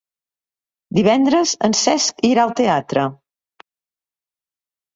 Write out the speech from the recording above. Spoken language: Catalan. Divendres en Cesc irà al teatre.